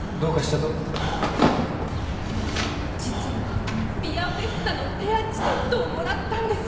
実はビアフェスタのペアチケットをもらったんです